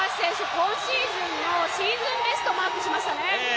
今シーズンのシーズンベストをマークしましたね。